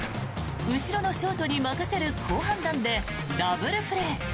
後ろのショートに任せる好判断でダブルプレー。